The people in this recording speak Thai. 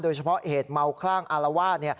โดยเฉพาะเหตุเมาคล่างอาลาว่า